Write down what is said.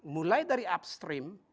mulai dari upstream